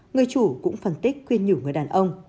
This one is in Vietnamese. người chủ cũng phân tích khuyên nhủ người đàn ông